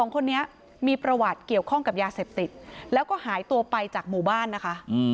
๒คนนี้มีประวัติเกี่ยวข้องกับยาเสพติดแล้วก็หายตัวไปจากหมู่บ้านนะคะ